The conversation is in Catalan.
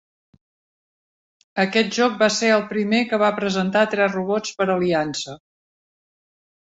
Aquest joc va ser el primer que va presentar tres robots per aliança.